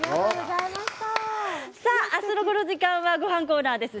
明日のこの時間はごはんコーナーです。